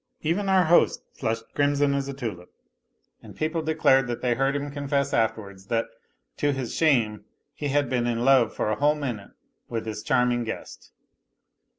Even our host flushed crimson as a tulip, and people declared that they heard him confess afterwards that " to his shame " he had been in love for a whole minute with his charming guest.